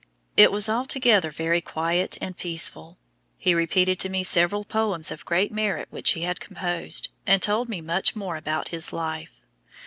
It was altogether very quiet and peaceful. He repeated to me several poems of great merit which he had composed, and told me much more about his life.